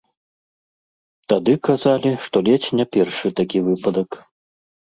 Тады казалі, што ледзь не першы такі выпадак.